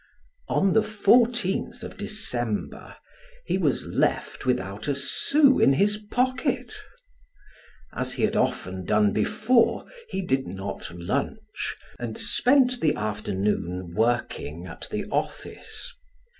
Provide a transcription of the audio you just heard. On the fourteenth of December, he was left without a sou in his pocket. As he had often done before, he did not lunch, and spent the afternoon working at the office.